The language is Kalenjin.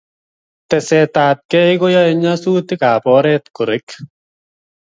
Tesetai ab kei ko yae nyasutik ab oret ko rek